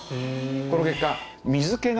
この結果。